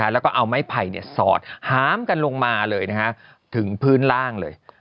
แล้วก็เอาไม้ไผ่สอดหามกันลงมาเลยถึงพื้นล่างเลย